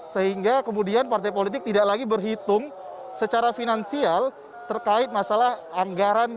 sehingga kemudian partai politik tidak lagi berhitung secara finansial terkait masalah anggaran